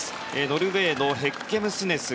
ノルウェーのヘッゲムスネス。